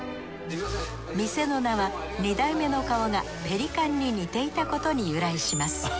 店の名は二代目の顔がペリカンに似ていたことに由来します。